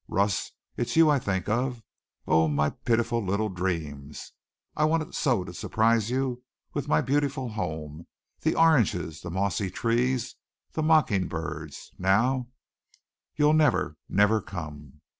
Russ, it's you I think of! Oh, my pitiful little dreams! I wanted so to surprise you with my beautiful home the oranges, the mossy trees, the mocking birds. Now you'll never, never come!"